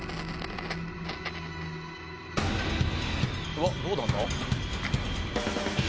うわっどうなんだ？